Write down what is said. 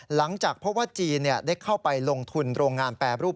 หลังจากพบว่าจีนได้เข้าไปลงทุนโรงงานแปรรูป